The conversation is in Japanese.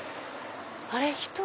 あれ？